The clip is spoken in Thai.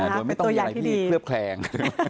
โดยไม่ต้องมีอะไรที่เคลือบแคลง